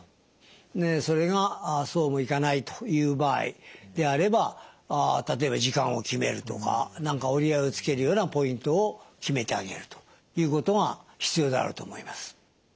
それがそうもいかないという場合であれば例えば時間を決めるとか何か折り合いをつけるようなポイントを決めてあげるということが必要であると思います。